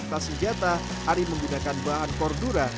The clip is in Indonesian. untuk tas senjata ari menggunakan bahan cordura